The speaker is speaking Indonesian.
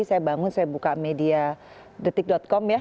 saya bangun saya buka media detik com ya